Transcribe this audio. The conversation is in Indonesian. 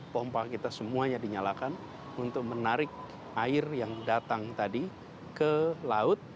pompa kita semuanya dinyalakan untuk menarik air yang datang tadi ke laut